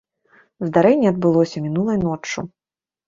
Здарэнне адбылося мінулай ноччу.